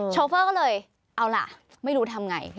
โชเฟอร์ก็เลยเอาล่ะไม่รู้ทำไง